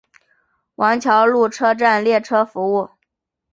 王桥路车站列车服务。